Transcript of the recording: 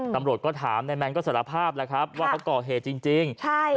ตำรวจก็ถามนายแมนก็สารภาพว่าเขาก่อเหจริง